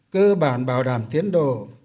cơ bản bảo đảm tiến độ